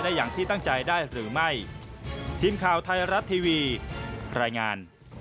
ไขสิ่งที่แก้ไขสิ่งที่แก้ไขสิ่งที่แก้ไข